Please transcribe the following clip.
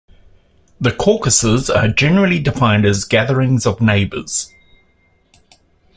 The caucuses are generally defined as gatherings of neighbors.